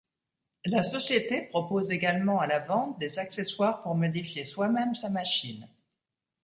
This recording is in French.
La société propose également à la vente des accessoires pour modifier soi-même sa machine.